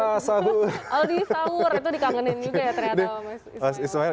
aldi sahur itu dikangenin juga ya ternyata mas ismail